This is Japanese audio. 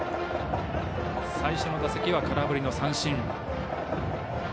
最初の打席は空振りの三振。